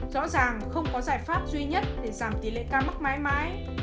rõ ràng không có giải pháp duy nhất để giảm tỷ lệ ca mắc mãi mãi